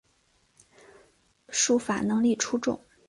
术法能力出众。